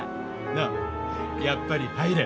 のうやっぱり入れ。